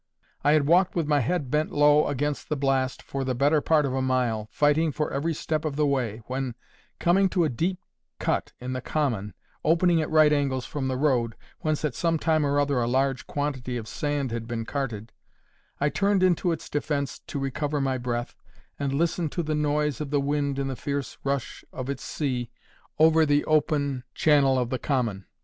I had walked with my head bent low against the blast, for the better part of a mile, fighting for every step of the way, when, coming to a deep cut in the common, opening at right angles from the road, whence at some time or other a large quantity of sand had been carted, I turned into its defence to recover my breath, and listen to the noise of the wind in the fierce rush of its sea over the open channel of the common.